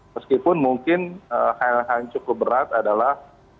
meskipun mungkin hal hal yang cukup berat adalah